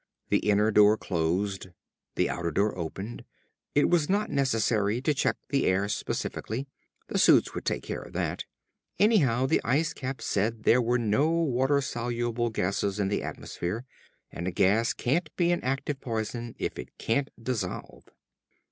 The inner door closed. The outer door opened. It was not necessary to check the air specifically. The suits would take care of that. Anyhow the ice cap said there were no water soluble gases in the atmosphere, and a gas can't be an active poison if it can't dissolve.